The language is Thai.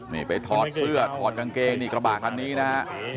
นี่ไปถอดเสื้อถอดกางเกงนี่กระบะคันนี้นะฮะ